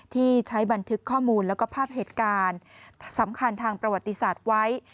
ที่ใช้บันทึกข้อมูลแล้วก็ภาพเหตุการณ์สำคัญทางประวัติศาสตร์ไว้